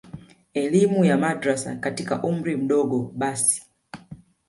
elimu ya madrasa katika umri mdogo basi